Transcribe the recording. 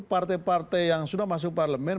partai partai yang sudah masuk parlemen